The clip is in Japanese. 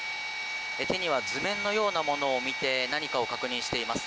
手には図面のようなものを見て何かを確認しています。